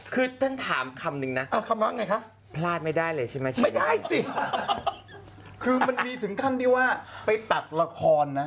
คือมันมีถึงขั้นที่ว่าไปตัดละครนะ